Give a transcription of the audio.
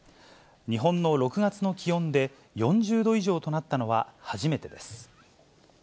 日本の６月の気温で４０度以上となったのは初めてです。